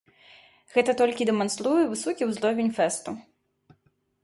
Гэта толькі дэманструе высокі ўзровень фэсту.